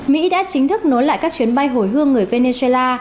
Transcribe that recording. mỹ đã chính thức nối lại các chuyến bay hồi hương người venezuela